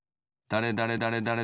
だれだれだれだれ